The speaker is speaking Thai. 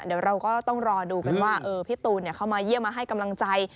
เดี๋ยวเราก็ต้องรอดูกันว่าพี่ตูนเข้ามาเยี่ยมมาให้กำลังใจ